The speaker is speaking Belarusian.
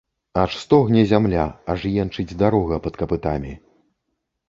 Аж стогне зямля, аж енчыць дарога пад капытамі.